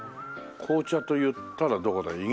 紅茶といったらどこだ？